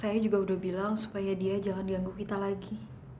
saya juga udah bilang supaya dia jangan ganggu kita lagi